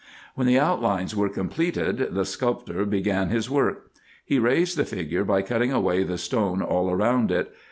When the outlines were completed, the sculptor began his work. He raised the figure by cutting away the stone all round it.